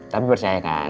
tapi percaya kan